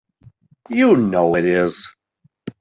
You know it is!